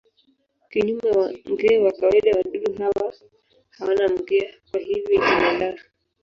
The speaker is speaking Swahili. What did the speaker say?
Kinyume na nge wa kawaida wadudu hawa hawana mkia, kwa hivyo jina lao.